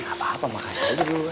gak apa apa makasih aja dulu